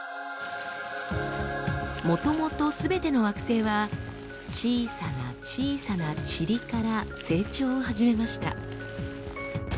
もともとすべての惑星は小さな小さなチリから成長を始めました。